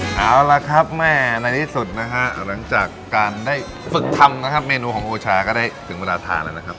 เอาละครับแม่ในที่สุดนะฮะหลังจากการได้ฝึกทำนะครับเมนูของโอชาก็ได้ถึงเวลาทานแล้วนะครับ